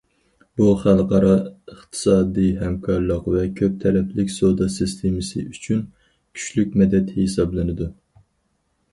بۇ، خەلقئارا ئىقتىسادىي ھەمكارلىق ۋە كۆپ تەرەپلىك سودا سىستېمىسى ئۈچۈن كۈچلۈك مەدەت ھېسابلىنىدۇ.